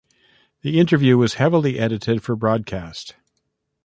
The interview was heavily edited for broadcast.